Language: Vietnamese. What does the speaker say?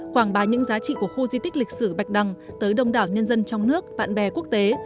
quảng bá những giá trị của khu di tích lịch sử bạch đằng tới đông đảo nhân dân trong nước bạn bè quốc tế